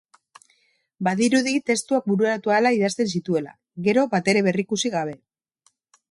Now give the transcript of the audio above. Badirudi testuak bururatu ahala idazten zituela, gero batere berrikusi gabe.